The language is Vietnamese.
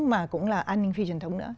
mà cũng là an ninh phi truyền thống nữa